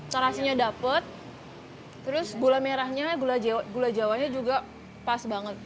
terasinya dapet terus gula merahnya gula jawanya juga pas banget